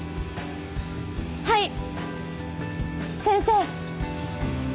はい先生！